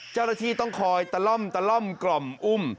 เจ้าหน้าที่ต้องคอยตะล่อมตะล่อมกล่อมอุ้ม